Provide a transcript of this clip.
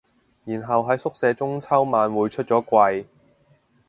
然後喺宿舍中秋晚會出咗櫃